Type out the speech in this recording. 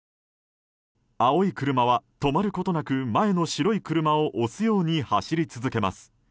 青い車は止まることなく前の白い車を押すように走り続けます。